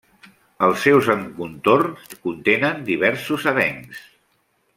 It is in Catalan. Els seus encontorns contenen diversos avencs.